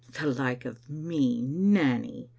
"The like of me, Nanny!"